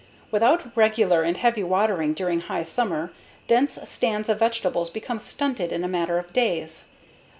Without regular and heavy watering during high summer, dense stands of vegetables become stunted in a matter of days.